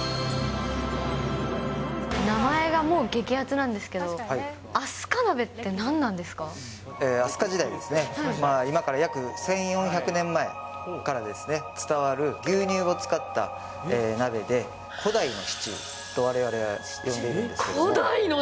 名前がもう激アツなんですけ飛鳥時代、今から約１４００年前から伝わる牛乳を使った鍋で、古代のシチューとわれわれは呼んでいるんですけれども。